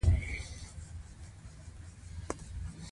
افغانان یا ډېر درانه یا دومره شاته پاتې خلک دي.